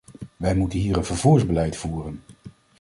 Wij moeten hier een vervoersbeleid voeren.